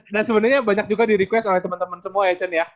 dan sebenarnya banyak juga di request oleh temen temen semua ya chen ya